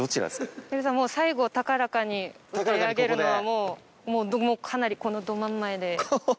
もう最後高らかに歌い上げるのはもうかなりこのど真ん前で。